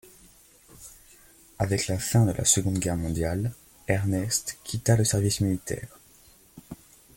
Avec la fin de la Seconde Guerre mondiale, Ernest quitta le service militaire.